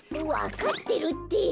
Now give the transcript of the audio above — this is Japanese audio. わかってるって！